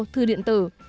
thư điện tử